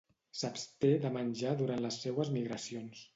S'absté de menjar durant les seues migracions.